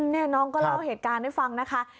นี่น้องก็เล่าเหตุการณ์ให้ฟังนะคะ